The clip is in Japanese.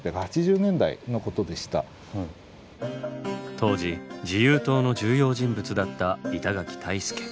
当時自由党の重要人物だった板垣退助。